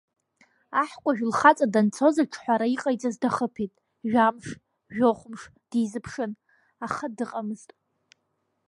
Аҳкәажә лхаҵа данцоз аҿҳәара иҟаиҵаз дахыԥеит, жәамш, жәохә мыш дизыԥшын, аха дыҟамызт.